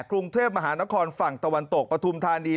กรุงเทพมหานครฝั่งตะวันตกปฐุมธานี